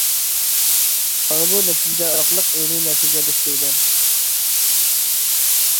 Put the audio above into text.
مانا بۇ نەتىجىلەر ئارقىلىق ئىلمى نەتىجە بېكىتىلگەن.